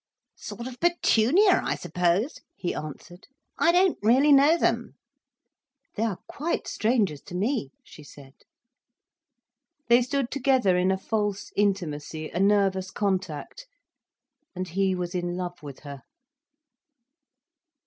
"Sort of petunia, I suppose," he answered. "I don't really know them." "They are quite strangers to me," she said. They stood together in a false intimacy, a nervous contact. And he was in love with her.